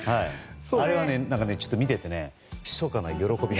あれは見ていてひそかな喜びが。